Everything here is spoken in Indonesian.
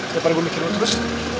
biar gue mikirin lo terus